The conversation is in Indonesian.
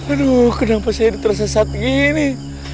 aduh kenapa saya tersesat gini